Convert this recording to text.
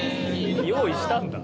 用意したんだ。